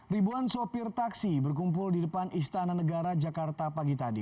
ribuan sopir taksi berkumpul di depan istana negara jakarta pagi tadi